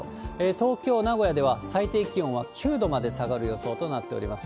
東京、名古屋では最低気温は９度まで下がる予想となっております。